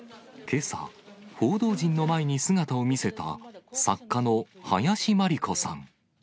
けさ、報道陣の前に姿を見せた、作家の林真理子さん。